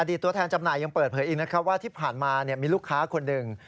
ตัวแทนจำหน่ายยังเปิดเผยอีกนะครับว่าที่ผ่านมามีลูกค้าคนหนึ่ง